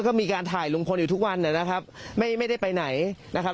ก็มีการถ่ายลุงพลอยู่ทุกวันนะครับไม่ไม่ได้ไปไหนนะครับ